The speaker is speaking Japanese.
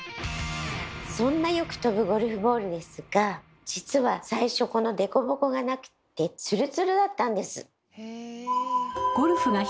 そんなよく飛ぶゴルフボールですが実は最初この凸凹がなくってツルツルだったんです。